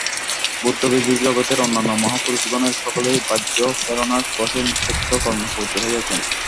বুদ্ধ ব্যতীত জগতের অন্যান্য মহাপুরুষগণের সকলেই বাহ্য প্রেরণার বশে নিঃস্বার্থ কর্মে প্রবৃত্ত হইয়াছেন।